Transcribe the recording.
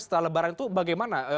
setelah lebaran itu bagaimana